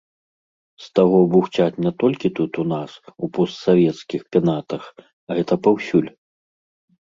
З таго бухцяць не толькі тут у нас, у постсавецкіх пенатах, гэта паўсюль.